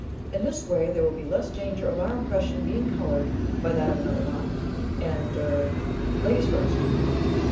In this way there will be less danger of our impression being colored by that of another mind, and â er â ladies first."